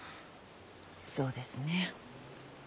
そうですねぇ。